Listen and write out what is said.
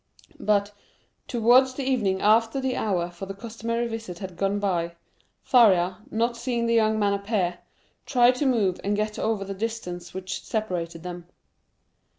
But, towards the evening after the hour for the customary visit had gone by, Faria, not seeing the young man appear, tried to move and get over the distance which separated them.